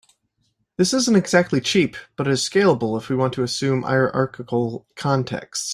This isn't exactly cheap, but it is scalable if we assume hierarchical contexts.